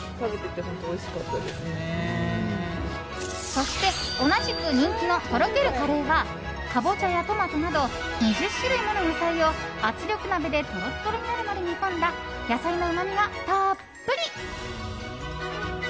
そして、同じく人気のとろけるカレーはカボチャやトマトなど２０種類もの野菜を圧力鍋でトロトロになるまで煮込んだ野菜のうまみがたっぷり。